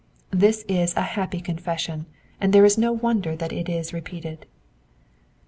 This is a huppy confession, and there is no wonder that it is repeated. 81.